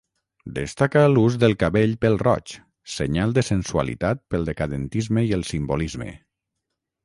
Destaca l'ús del cabell pèl-roig, senyal de sensualitat pel decadentisme i el simbolisme.